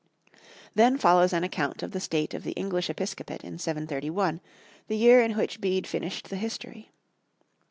Then follows an account of the state of the English episcopate in 731, the year in which Bede finished the History.